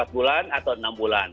empat bulan atau enam bulan